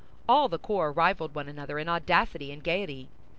All the corps rivaled one another in audacity and gaiety.